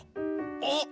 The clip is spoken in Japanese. あっ！